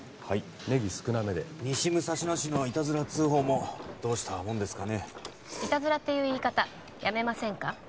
はいネギ少なめで西武蔵野市のいたずら通報もどうしたもんですかね「いたずら」っていう言い方やめませんか？